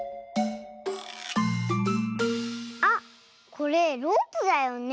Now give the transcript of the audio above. これロープだよね。